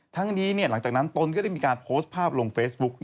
ทั้งนี้หลังจากนั้นตนก็ได้มีการโพสต์ภาพลงเฟซบุ๊ก